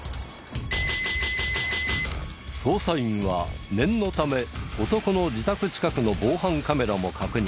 捜査員は念のため男の自宅近くの防犯カメラも確認。